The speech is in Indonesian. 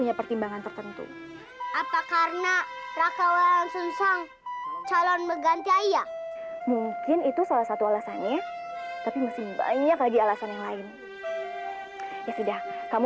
saya tidak mau kaya sama kamu saya tidak mengerti apa yang kamu katakan pada saya saya tidak mau beri tawaran kepadamu